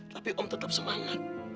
tapi om tetap semangat